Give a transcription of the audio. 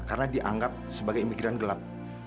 karena dianggap sebagai imigran gelap